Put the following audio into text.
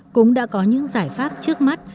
cũng đã có những giải pháp trước mắt